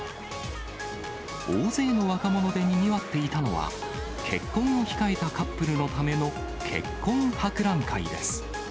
大勢の若者でにぎわっていたのは、結婚を控えたカップルのための結婚博覧会です。